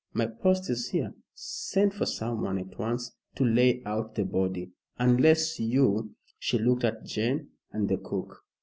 My post is here. Send for someone at once to lay out the body, unless you " She looked at Jane and the cook.